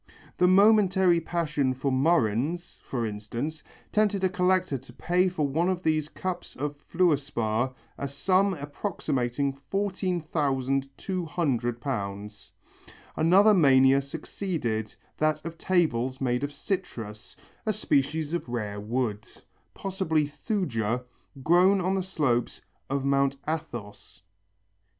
The momentary passion for murrhines, for instance, tempted a collector to pay for one of these cups of fluor spar a sum approximating to £14,200. Another mania succeeded, that of tables made of citrus, a species of rare wood, possibly Thuja, grown on the slopes of Mount Athos.